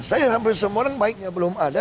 saya sampai semua orang baiknya belum ada